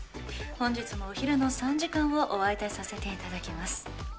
本日もお昼の３時間をお相手させて頂きます。